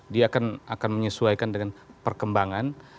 dia akan menyesuaikan dengan perkembangan